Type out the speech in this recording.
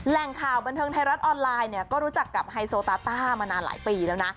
แหล่งข่าวบันเทิงไทยรัฐออนไลน์เนี่ยก็รู้จักกับไฮโซตาต้ามานานหลายปีแล้วนะ